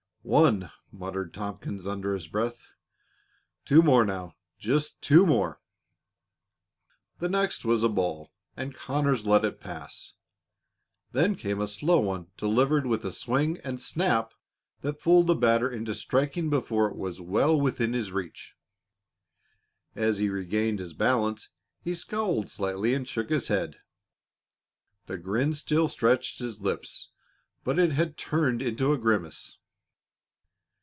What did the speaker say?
"One!" muttered Tompkins, under his breath. "Two more, now just two more!" The next was a ball, and Conners let it pass. Then came a slow one delivered with a swing and snap that fooled the batter into striking before it was well within his reach. As he regained his balance he scowled slightly and shook his head. The grin still stretched his lips, but it had turned into a grimace.